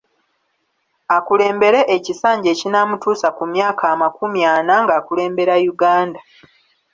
Akulembere ekisanja ekinaamutuusa ku myaka amakumi ana ng’akulembera Yuganda.